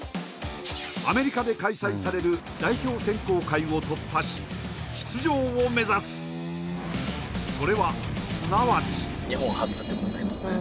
アメリカで開催される代表選考会を突破し出場を目指すそれはすなわち日本初っていうことになりますね